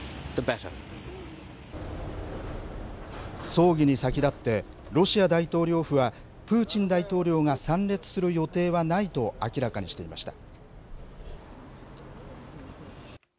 葬儀に先立って、ロシア大統領府は、プーチン大統領が参列する予定はないと明らかにしていました。